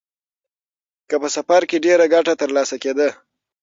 که په سفر کې ډېره ګټه ترلاسه کېده.